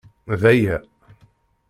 D aya.